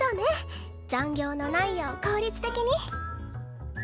残業のないよう効率的に。